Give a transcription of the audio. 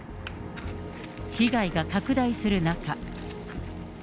被害が拡大する中。